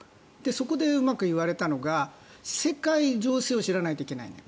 そこでうまく言われたのが世界情勢を知らないといけない。